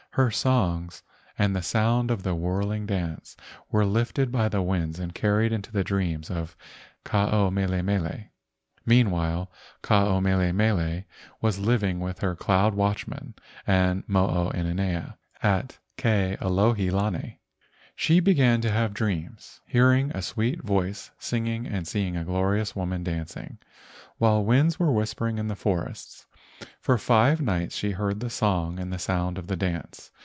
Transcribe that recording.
Her songs and the sound of the whirling dance were lifted by the winds and carried into the dreams of Ke ao mele mele. Meanwhile, Ke ao mele mele was living with her cloud watchmen and Mo o inanea at Ke alohi lani. She began to have dreams, hearing a sweet voice singing and seeing a glorious woman dancing, while winds were whispering in the forests. For five nights she heard the song and the sound of the dance.